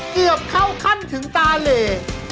เกือบเข้าขั้นถึงตาเหล